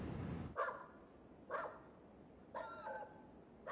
あっ。